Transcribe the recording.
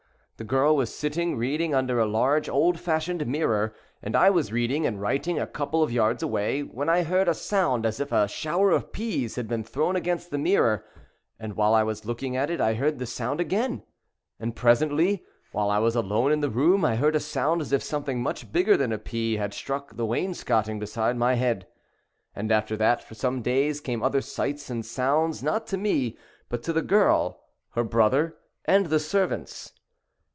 The gfirl was sitting reading under a large old fashioned mirror, and I was reading and writing a couple of yards away, when I heard a sound as if a shower of peas had been thrown against the mirror, and while I was looking at it I heard the sound again, and presently, while I was alone in the room, I heard a sound as if something much bigger than a pea had struck the wainscoting beside my head. And after that for some days came other sights and sounds, not to me but to the girl, her brother, and the servants.